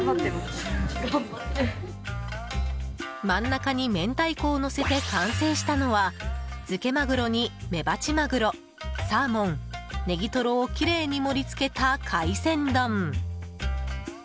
真ん中に明太子をのせて完成したのはづけマグロにめばちマグロサーモン、ネギトロをきれいに盛り付けた海鮮丼。